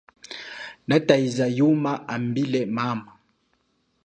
Nataiza yuma ambile mama.